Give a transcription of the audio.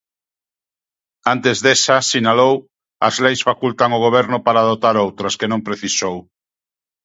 Antes desa, sinalou, as leis facultan o goberno para adoptar outras, que non precisou.